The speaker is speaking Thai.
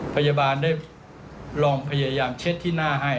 พยาบาลได้ลองพยายามเช็ดที่หน้าให้